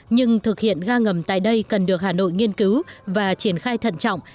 nhưng thực hiện ga ngầm tại đây cần được hà nội nghiên cứu và triển khai thận trọng